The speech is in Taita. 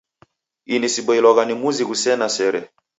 Ini siboilwagha ni muzi ghusena sere.